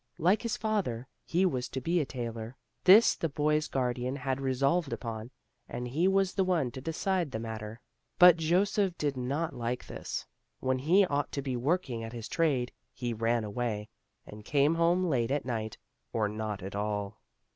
Like his father he was to be a tailor. This the boy's guardian had resolved upon, and he was the one to decide the matter. But Joseph did not like this; when he ought to be working at his trade, he ran away, and came home late at night or not at all.